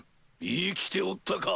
生きておったか！